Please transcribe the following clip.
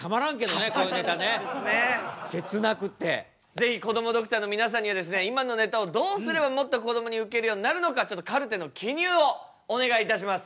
是非こどもドクターの皆さんには今のネタをどうすればもっとこどもにウケるようになるのかカルテの記入をお願いいたします。